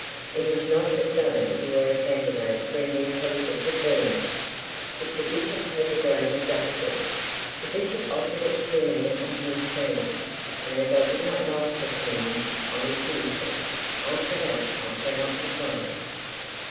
It is not as though you were a candidate for a new piece of preferment. If the bishop has a grain of justice ' 'The bishop offered it to me on his terms, and as I did not like the terms, I refused it. After that, I cannot complain.'